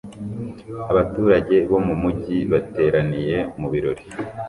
Abaturage bo mu mujyi bateraniye mu birori